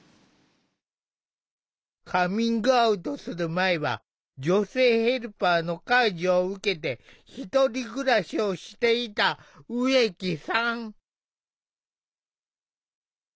カミングアウトする前は女性ヘルパーの介助を受けて１人暮らしをしていた植木さん。